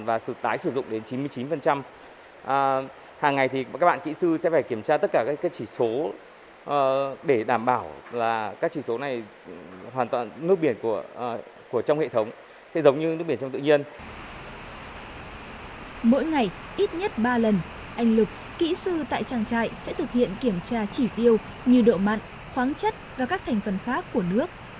mỗi ngày ít nhất ba lần anh lục kỹ sư tại trang trại sẽ thực hiện kiểm tra chỉ tiêu như độ mặn khoáng chất và các thành phần khác của nước